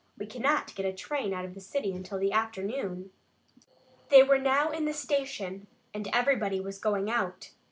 We cannot get a train out of the city until the afternoon." They were now in the station and everybody was going out.